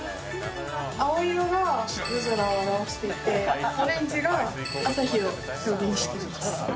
青色が夜空を表していてオレンジが朝日を表現しています。